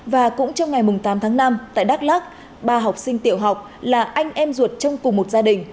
và cũng trong ngày tám tháng năm tại đắk lắc ba học sinh tiểu học là anh em ruột trong cùng một gia đình